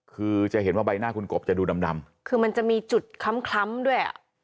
คือจะเห็นว่าใบหน้าคุณกบจะดูดำคือมันจะมีจุดคล้ำคล้ำด้วยอ่ะ